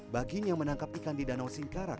baginya menangkap ikan di danau singkarak